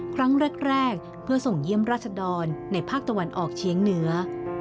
ครั้งแรกเพื่อส่งเยี่ยมราชดรในภาคตะวันออกเชียงเหนือ